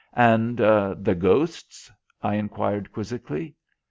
"And the ghosts?" I enquired quizzically.